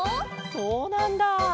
そうなんだ！